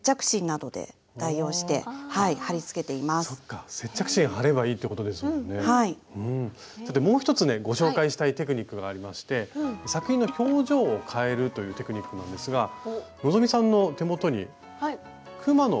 そしてもう一つねご紹介したいテクニックがありまして作品の表情を変えるというテクニックなんですが希さんの手元にくまのブローチがありますよね。